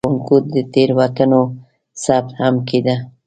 د زده کوونکو د تېروتنو ثبت هم کېده.